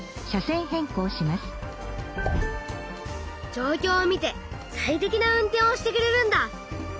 じょうきょうを見て最適な運転をしてくれるんだ！